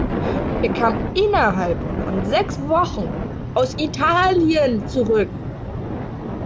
Er kam innerhalb von sechs Wochen aus Italien zurück.